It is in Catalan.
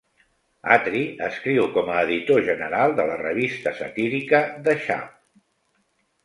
Attree escriu com a editor general de la revista satírica "The Chap".